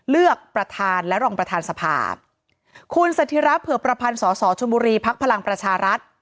เลือกประธานและรองประธานสภาคุณสถิระเผื่อประพันธ์สอสอชนบุรีพักพลังประชารัฐ